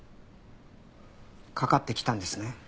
かかってきたんですね？